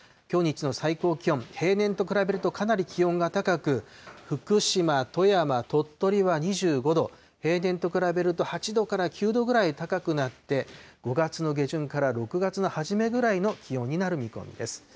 きょう日中の最高気温、平年と比べるとかなり気温が高く、福島、富山、鳥取は２５度、平年と比べると、８度から９度ぐらい高くなって、５月の下旬から６月の初めぐらいの気温になる見込みです。